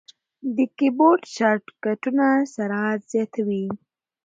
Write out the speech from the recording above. د کیبورډ شارټ کټونه سرعت زیاتوي.